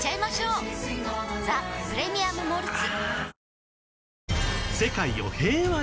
「ザ・プレミアム・モルツ」